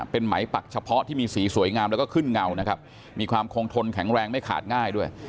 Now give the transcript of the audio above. เป็นไหมปักเฉพาะที่มีสีสวยงามแล้วก็ขึ้นเงานะครับมีความคงทนแข็งแรงไม่ขาดง่ายด้วย